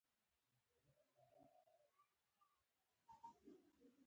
• خندېدل له ناروغیو مخنیوی کوي.